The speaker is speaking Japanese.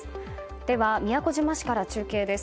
では、宮古島市から中継です。